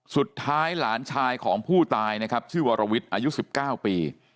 สุดท้ายหลานชายของผู้ตายนะครับชื่อวรวิทย์อายุ๑๙ปี